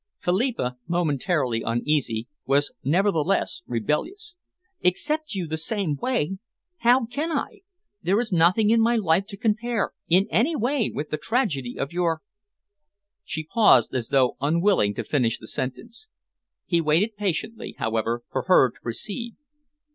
Philippa, momentarily uneasy, was nevertheless rebellious. "Accept you the same way? How can I! There is nothing in my life to compare in any way with the tragedy of your " She paused, as though unwilling to finish the sentence. He waited patiently, however, for her to proceed.